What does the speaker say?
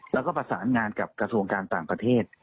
แล้วก็ประสานงานกับกระทรวงการต่างประเทศ